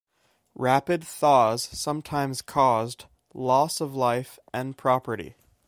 Rapid thaws sometimes caused loss of life and property.